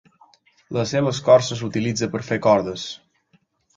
La seva escorça s'utilitza per fer cordes.